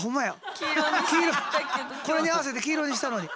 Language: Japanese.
これに合わせて黄色にしたのに。